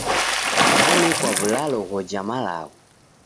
Danekwa w'ulalo ghoja malagho.